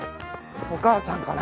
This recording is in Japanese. お母さんかな？